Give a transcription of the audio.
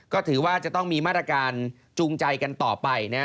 ก็ถือว่าจะต้องมีมาตรการจูงใจกันต่อไปนะ